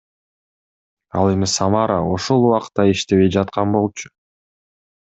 Ал эми Самара ошол убакта иштебей жаткан болчу.